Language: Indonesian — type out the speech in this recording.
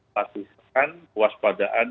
pasti akan kewaspadaan